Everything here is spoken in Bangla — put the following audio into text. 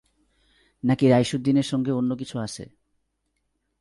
নাকি রাইসুদিনের সঙ্গে অন্য কিছু আছে?